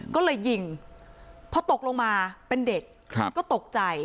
ก็เลยยิงพอตกลงมาเป็นเด็กก็ตกใจ